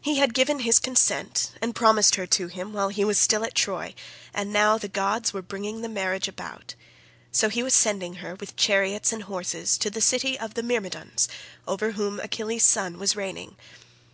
He had given his consent and promised her to him while he was still at Troy, and now the gods were bringing the marriage about; so he was sending her with chariots and horses to the city of the Myrmidons over whom Achilles' son was reigning.